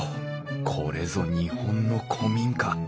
これぞ日本の古民家！